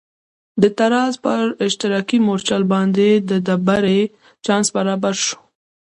د تزار پر اشتراکي مورچل باندې د بري چانس برابر شو.